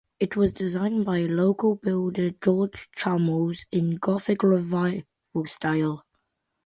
It was designed by local builder George Chalmers in Gothic Revival style.